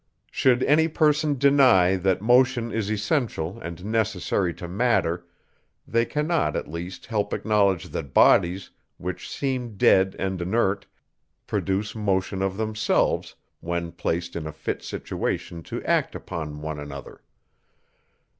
Should any person deny, that motion is essential and necessary to matter; they cannot, at least, help acknowledging that bodies, which seem dead and inert, produce motion of themselves, when placed in a fit situation to act upon one another.